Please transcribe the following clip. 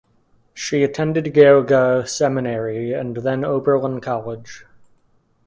She attended Geauga Seminary and then Oberlin College.